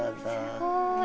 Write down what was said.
すごい。